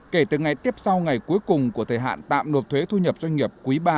kể từ ngày tiếp sau ngày cuối cùng của thời hạn tạm nộp thuế thu nhập doanh nghiệp quý ba